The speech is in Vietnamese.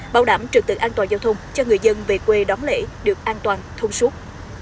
bảo đảm trực tự an toàn giao thông cho người dân về quê đón lễ được an toàn thông suốt